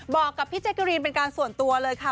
บอกกับพี่แจ๊กกะรีนเป็นการส่วนตัวเลยค่ะ